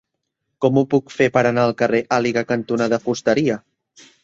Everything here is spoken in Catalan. Com ho puc fer per anar al carrer Àliga cantonada Fusteria?